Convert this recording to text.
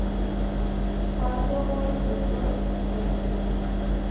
Juan Tongoy Bustos: Percusión.